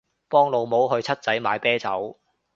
幫老母去七仔買啤酒